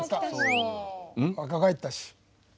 若返ったし。